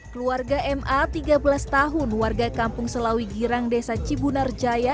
keluarga ma tiga belas tahun warga kampung selawi girang desa cibunarjaya